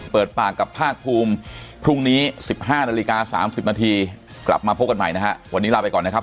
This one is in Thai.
เปิดปากกับภาคภูมิพรุ่งนี้สิบห้านาฬิกาสามสิบนาทีกลับมาพบกันใหม่นะฮะ